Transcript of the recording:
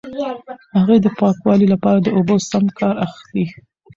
هغې د پاکوالي لپاره د اوبو سم کار اخلي.